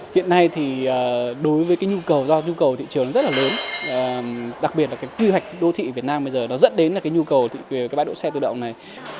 hiện nay đối với nhu cầu do nhu cầu thị trường rất là lớn đặc biệt là kỳ hoạch đô thị việt nam bây giờ dẫn đến nhu cầu về bãi đỗ xe tự động này